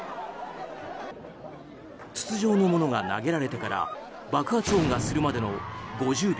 筒状のものが投げられてから爆発音がするまでの、５０秒。